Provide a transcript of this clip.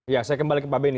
ya saya kembali ke pak benny